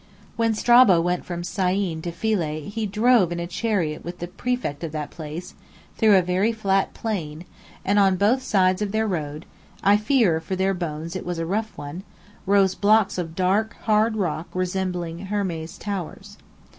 When Strabo went from Syene to Philae, he drove in a chariot with the prefect of that place, "through a very flat plain," and on both sides of their road (I fear, for their bones, it was a rough one!) rose "blocks of dark, hard rock resembling Hermes towers."